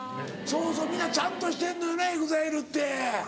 そうそう皆ちゃんとしてんのよねＥＸＩＬＥって。